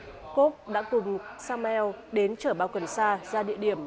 jacob đã cùng samuel đến trở bao cần xa ra địa điểm